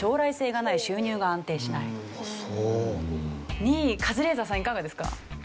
２位カズレーザーさんいかがですか？